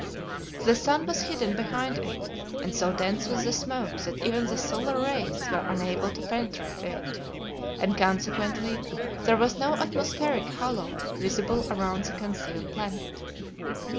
The sun was hidden behind it, and so dense was the smoke that even the solar rays were unable to penetrate it, and consequently there was no atmospheric halo visible around the concealed planet.